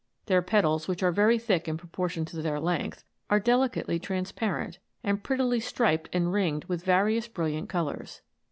Their petals, which are very thick in proportion to their length, are delicately transparent, and prettily striped and ringed with various brilliant colours.